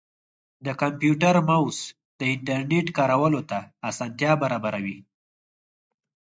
د کمپیوټر ماؤس د انټرنیټ کارولو اسانتیا برابروي.